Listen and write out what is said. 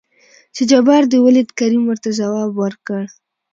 چې جبار دې ولېد؟ کريم ورته ځواب ورکړ.